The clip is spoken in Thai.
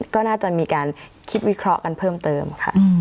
ก็น่าจะมีการคิดวิเคราะห์กันเพิ่มเติมค่ะ